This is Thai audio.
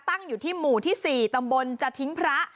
ตั้งอยู่ที่หมู่ที่๔ตำบลจะทิ้งพระ